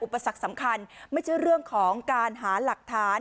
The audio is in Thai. ปสรรคสำคัญไม่ใช่เรื่องของการหาหลักฐาน